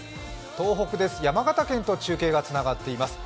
東北です、山形県とカメラがつながっています。